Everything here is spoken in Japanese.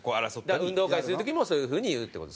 運動会する時もそういう風に言うって事ですか？